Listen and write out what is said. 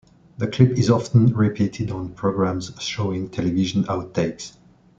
The clip is often repeated on programmes showing television out-takes.